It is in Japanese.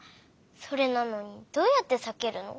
それなのにどうやってさけるの？